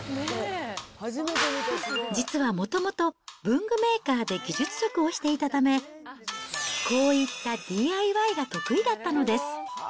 実はもともと文具メーカーで技術職をしていたため、こういったＤＩＹが得意だったのです。